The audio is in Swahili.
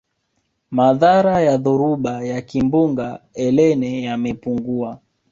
madhara ya dhoruba ya kimbunga elene yamepungua